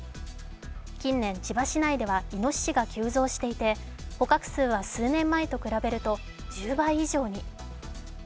近年、千葉市内ではイノシシが急増していて捕獲数は数年前と比べると１０倍以上に。